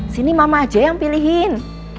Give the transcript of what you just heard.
sini mama aja yang pilihin